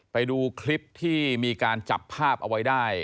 ไปดูคลิปที่มีการจับภาพเอาไว้ได้